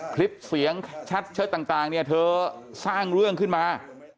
คลิปเสียงชัดเชิดต่างเนี่ยเธอสร้างเรื่องขึ้นมา